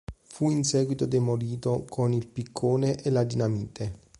Fu in seguito demolito con il piccone e la dinamite.